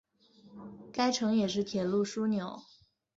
该城也是铁路枢纽。